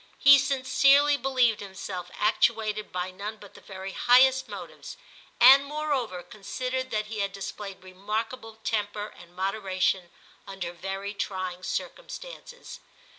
He sincerely believed him self actuated by none but the very highest X TIM 22 1 motives, and, moreover, considered that he had displayed remarkable temper and modera tion under very trying circumstances.